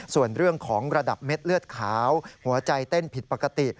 ส่วนเรื่องของระดับเม็ดเลือดขาวหัวใจเต้นผิดปกติ